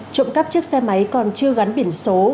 trộm cắp chiếc xe máy còn chưa gắn biển số